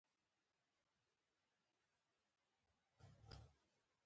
ازادي راډیو د د بیان آزادي په اړه د هر اړخیزو مسایلو پوښښ کړی.